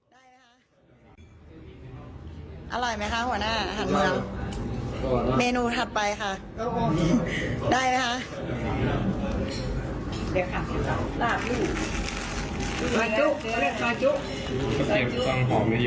น้ำขนาดใช่ไหม